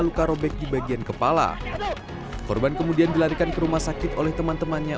luka robek di bagian kepala korban kemudian dilarikan ke rumah sakit oleh teman temannya